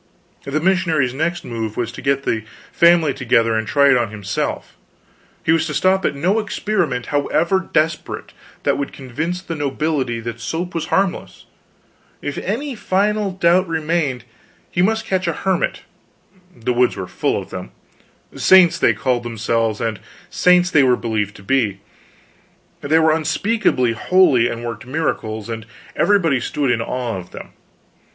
The missionary's next move was to get the family together and try it on himself; he was to stop at no experiment, however desperate, that could convince the nobility that soap was harmless; if any final doubt remained, he must catch a hermit the woods were full of them; saints they called themselves, and saints they were believed to be. They were unspeakably holy, and worked miracles, and everybody stood in awe of them.